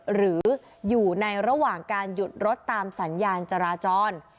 หรืออยู่ในระหว่างการหยุดรถตามสัญญาณจราจร